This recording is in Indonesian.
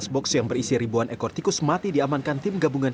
empat belas box yang berisi ribuan ekor tikus mati diamankan tim gabungan